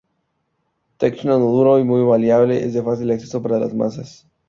Techno duro y muy bailable, de fácil acceso para las masas.